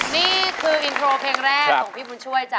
นี่คืออินโทรเพลงแรกของพี่บุญช่วยจ้